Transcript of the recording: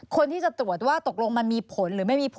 คนที่จะตรวจว่าตกลงมันมีผลหรือไม่มีผล